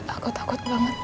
aku takut banget nih